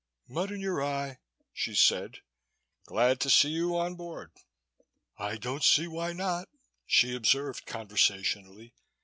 "Mud in your eye!" she said. "Glad to see you on board!" "I don't see why not," she observed conversationally.